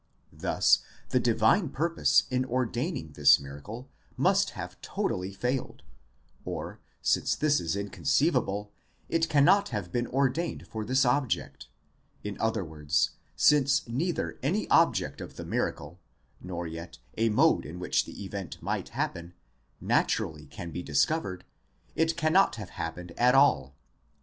Thus the divine purpose in ordaining this miracle must have totally failed ; or, since this is inconceivable, it cannot have been ordained for this object— in other words, since neither any other object of the miracle, nor yet a mode in which the event might happen naturally can be discovered, it cannot have happened at all.